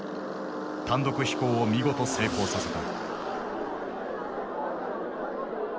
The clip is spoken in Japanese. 単独飛行を見事成功させた。